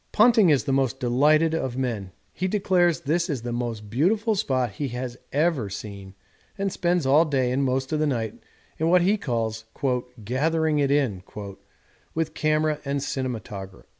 'Ponting is the most delighted of men; he declares this is the most beautiful spot he has ever seen and spends all day and most of the night in what he calls "gathering it in" with camera and cinematograph.'